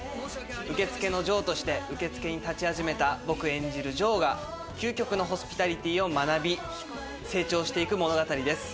受付のジョーとして受け付けに立ち始めた僕演じるジョーが究極のホスピタリティを学び、成長していく物語です。